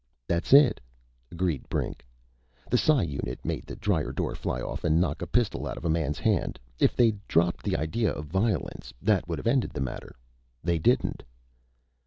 "That's it," agreed Brink. "The psi unit made the dryer door fly off and knock a pistol out of a man's hand. If they'd dropped the idea of violence, that would have ended the matter. They didn't."